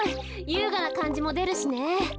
ゆうがなかんじもでるしね。